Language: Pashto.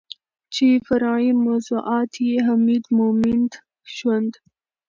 چې فرعي موضوعات يې حميد مومند ژوند